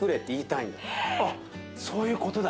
あっそういうことだ。